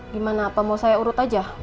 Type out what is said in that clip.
gimana apa mau saya urut aja